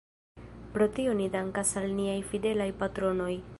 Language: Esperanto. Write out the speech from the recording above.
Pro tio ni dankas al niaj fidelaj patronoj.